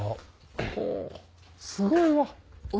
おすごいわ。